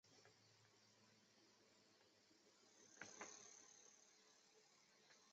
治所在乐郊县。